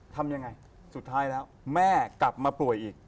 ทำยังไงสุดท้ายแล้วแม่กลับมาป่วยอีก